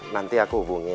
nanti aku hubungi